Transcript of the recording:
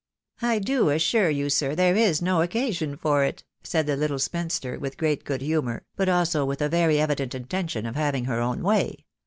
" I do assure you sir, there is no occasion for it/* amid the little spinster, with great good humour, but also with a very evident intention of having her own way